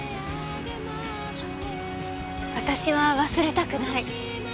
私は忘れたくない。